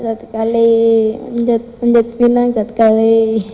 satu kali penjet pinang satu kali